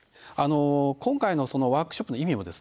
今回のワークショップの意味もですね